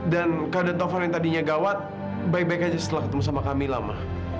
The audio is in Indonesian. dan keadaan taufan yang tadinya gawat baik baik aja setelah ketemu sama kamila ma